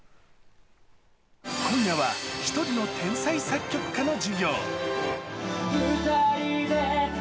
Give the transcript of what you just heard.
今夜は一人の天才作曲家の授業。